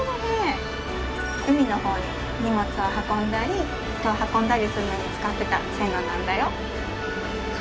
海の方に荷物を運んだり人を運んだりするのに使ってた線路なんだよ。